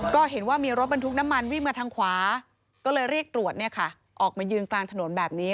ก็เห็นว่ามีรถบรรทุกน้ำมันวิ่งมาทางขวาก็เลยเรียกตรวจออกมายืนกลางถนนแบบนี้